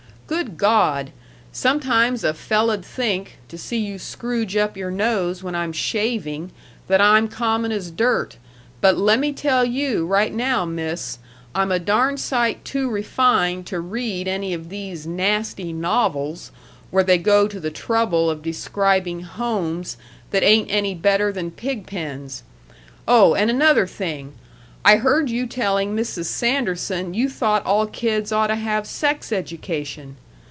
Good Gawd! sometimes a fella 'd think, to see you scrooge up your nose when I'm shaving, that I'm common as dirt, but lemme tell you, right now, miss, I'm a darn sight too refined to read any of these nasty novels where they go to the trouble of describing homes that ain't any better than pig pens. Oh, and another thing! I heard you telling Mrs. Sanderson you thought all kids oughta have sex education.